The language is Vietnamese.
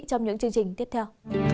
trong những chương trình tiếp theo